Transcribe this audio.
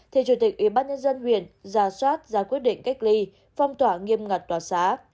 thì chủ tịch ubnd huyện ra soát ra quyết định cách ly phong tỏa nghiêm ngặt tòa xã